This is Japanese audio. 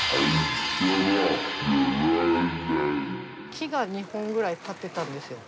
木が２本ぐらい立ってたんですよ。